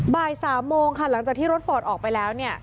บ่าย๓โมงค่ะหลังจากที่รถฟอร์ตออกไปแล้วเนี่ย